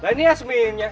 nah ini yasminnya